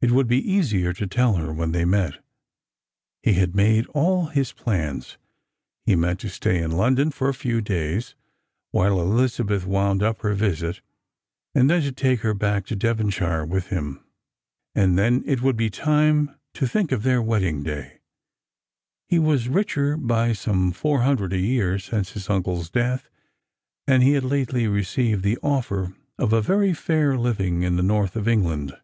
It would be easier to tell her when they met. He had made all his plans. He meant to stay in London for a few days, while Elizabeth wound up her visit, and then to take her back to Devonshire with him. And then it would be time to think of their wedding day. He was richer by some four hundred a year since his uncle's death, and he had lately received the offer of a very fair living in the north of England.